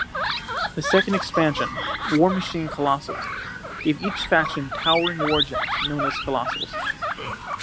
The second expansion, "Warmachine: Colossals", gave each faction towering warjacks known as Colossals.